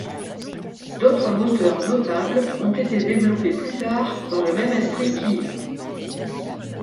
D'autres moteurs notables ont été développés plus tard dans le même esprit qu'Hives.